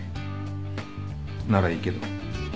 ならいいけど。